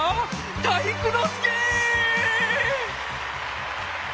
体育ノ介！